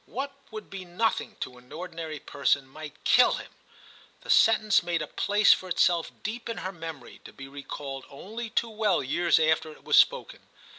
'What would be nothing to an ordinary person might kill 42 TIM CHAP. him.' The sentence made a place for itself deep in her memory, to be recalled only too well years after it was spoken.